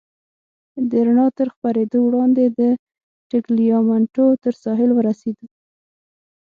د رڼا تر خپرېدو وړاندې د ټګلیامنټو تر ساحل ورسېدو.